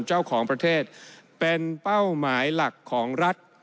เจ้าของประเทศเป็นเป้าหมายหลักของรัฐ